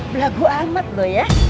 belagu amat loh ya